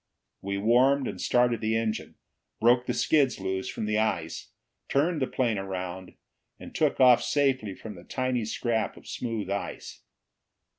We warmed and started the engine, broke the skids loose from the ice, turned the plane around, and took off safely from the tiny scrap of smooth ice.